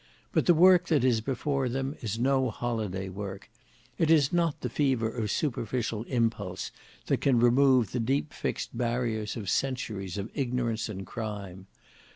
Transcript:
But the work that is before them is no holiday work. It is not the fever of superficial impulse that can remove the deep fixed barriers of centuries of ignorance and crime.